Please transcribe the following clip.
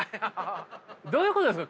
どういうことですか？